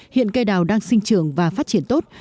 hiện cây đào đang sinh trường và phát triển tốt